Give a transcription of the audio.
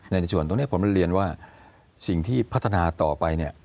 ในส่วนตรงนี้ผมเรียนว่าสิ่งที่พัฒนาต่อไปเนี่ย